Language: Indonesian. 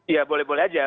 ya boleh boleh aja